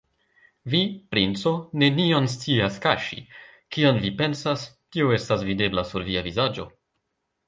Vi, princo, nenion scias kaŝi: kion vi pensas, tio estas videbla sur via vizaĝo.